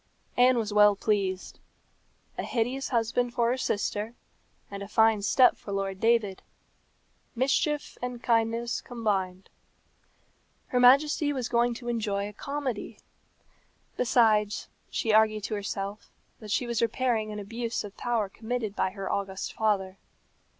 Anne was well pleased. A hideous husband for her sister, and a fine step for Lord David. Mischief and kindness combined. Her Majesty was going to enjoy a comedy. Besides, she argued to herself that she was repairing an abuse of power committed by her august father.